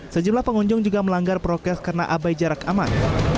sejumlah pengunjung juga melanggar prokes karena abai jarak aman